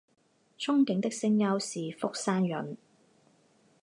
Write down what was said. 憧憬的声优是福山润。